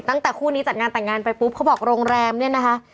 ตั้งแต่คู่นี้จัดงานแต่งงานไปปุ๊บเขาบอกโรงแรมเนี่ยนะคะ